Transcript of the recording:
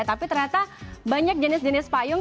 tapi ternyata banyak jenis jenis payung